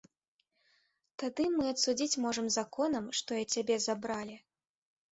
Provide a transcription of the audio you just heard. Тады мы і адсудзіць можам законам, што і ад цябе забралі.